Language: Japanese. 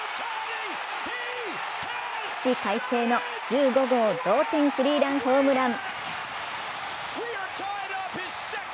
起死回生の１５号同点スリーランホームラン。